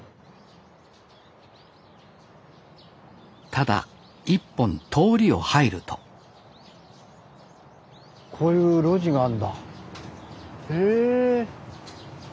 ただ一本通りを入るとこういう路地があんだへえ。